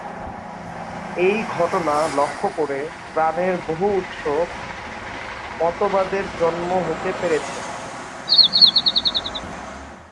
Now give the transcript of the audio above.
এই ঘটনা লক্ষ্য করে প্রাণের বহু-উৎস মতবাদের জন্ম হতে পেরেছে।